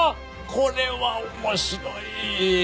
これは面白い！